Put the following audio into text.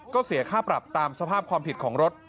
ก็เสียค่าปรับตามสภาพความผิดของรถ